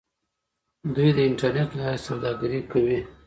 دوی د انټرنیټ له لارې سوداګري کوي.